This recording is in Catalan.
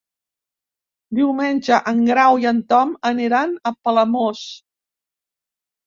Diumenge en Grau i en Tom aniran a Palamós.